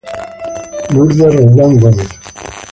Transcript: Lourdes Roldán Gómez.